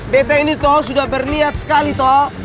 beta ini tuh sudah berniat sekali tuh